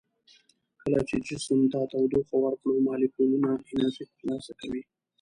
کله چې جسم ته تودوخه ورکړو مالیکولونه انرژي تر لاسه کوي.